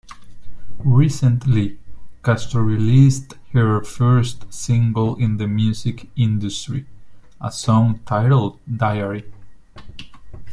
Recently, Castro released her first single in the music industry, a song titled Diary.